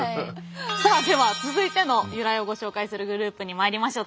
さあでは続いての由来をご紹介するグループにまいりましょう。